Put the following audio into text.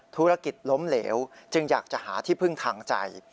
ธุรกิจล้มเหลวจึงอยากจะหาที่พึ่งทางใจ